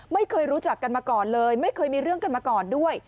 ไม่เคยรู้จักกันมาก่อนเลยไม่เคยมีเรื่องกันมาก่อนด้วย